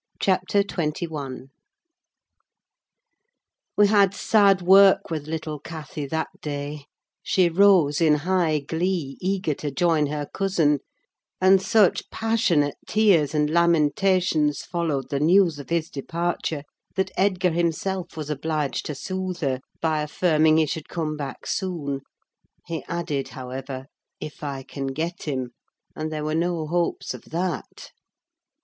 CHAPTER XXI We had sad work with little Cathy that day: she rose in high glee, eager to join her cousin, and such passionate tears and lamentations followed the news of his departure that Edgar himself was obliged to soothe her, by affirming he should come back soon: he added, however, "if I can get him"; and there were no hopes of that.